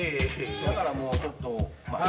だからもうちょっと。